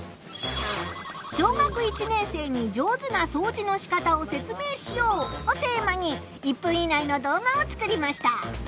「小学１年生に上手なそうじのしかたを説明しよう」をテーマに１分以内の動画を作りました。